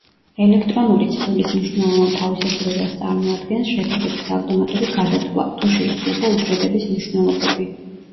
ელექტრონული ცხრილის მნიშვნელოვან თავისებურებას წარმოადგენს შედეგების ავტომატური გადათვლა, თუ შეიცვლება უჯრედების მნიშვნელობები.